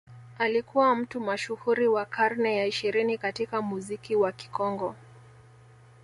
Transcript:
Alikuwa mtu mashuhuri wa karne ya ishirini katika muziki wa Kikongo